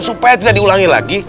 supaya tidak diulangi lagi